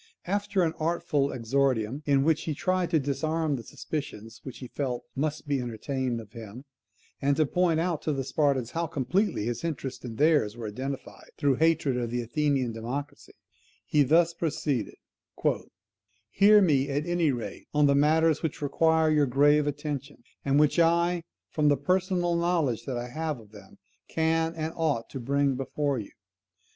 After an artful exordium, in which he tried to disarm the suspicions which he felt must be entertained of him, and to point out to the Spartans how completely his interests and theirs were identified, through hatred of the Athenian democracy, he thus proceeded: "Hear me, at any rate, on the matters which require your grave attention, and which I, from the personal knowledge that I have of them, can and ought to bring before you.